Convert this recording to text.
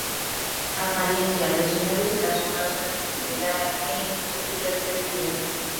Apariencia: Los Señores de la Sombra suelen intimidar e infundir respeto y miedo.